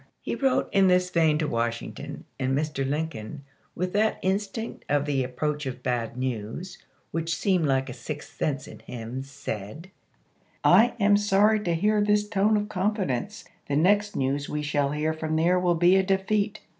He wrote in this vein to Washington, and Mr. Lincoln, with that instinct of the approach of bad news which seemed like a sixth sense in him, said, "I am sorry to see this tone of confi dence; the next news we shall hear from there Diary will be of a defeat."